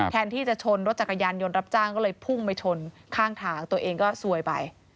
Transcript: แทนที่จะชนรถจักรยานยนต์รับจ้างก็เลยพุ่งไปชนข้างทางตัวเองก็ซวยไป